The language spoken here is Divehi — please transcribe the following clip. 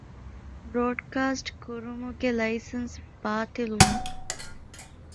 ބްރޯޑްކާސްޓްކުރުމުގެ ލައިސަންސް ބާޠިލްވުން